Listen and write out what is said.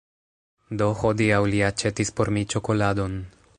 Do, hodiaŭ li aĉetis por mi ĉokoladon